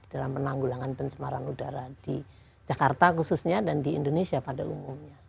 dalam penanggulangan pencemaran udara di jakarta khususnya dan di indonesia pada umumnya